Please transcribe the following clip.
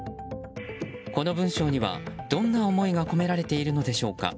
この文章には、どんな思いが込められているのでしょうか。